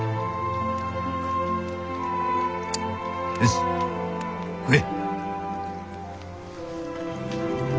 よし食え。